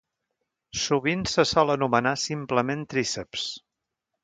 Sovint se sol anomenar simplement tríceps.